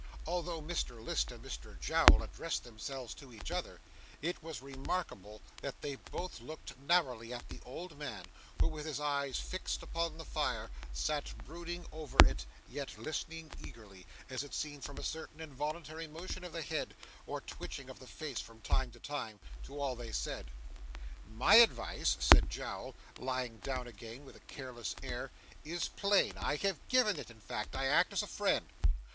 Although Mr List and Mr Jowl addressed themselves to each other, it was remarkable that they both looked narrowly at the old man, who, with his eyes fixed upon the fire, sat brooding over it, yet listening eagerly as it seemed from a certain involuntary motion of the head, or twitching of the face from time to time to all they said. 'My advice,' said Jowl, lying down again with a careless air, 'is plain I have given it, in fact. I act as a friend.